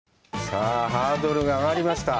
さあ、ハードルが上がりました！